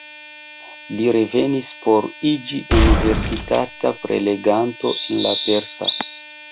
Li revenis por iĝi universitata preleganto en la persa.